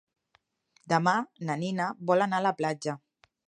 Demà na Nina vol anar a la platja.